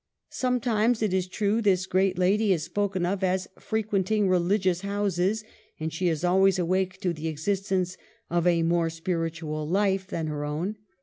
Sometimes, it is true, this great lady is spoken of as frequenting religious houses, and she is always awake to the exist ence of a more spiritual life than her own.